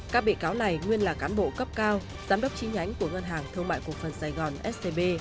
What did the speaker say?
các bị cáo này nguyên là cán bộ cấp cao giám đốc chi nhánh của ngân hàng thương mại cổ phần sài gòn scb